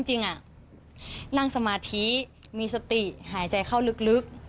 จริงนั่งสมาธิมีสติหายใจเข้าลึก